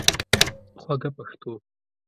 خوږه پښتو